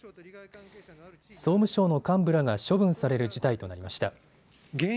総務省の幹部らが処分される事態となりました。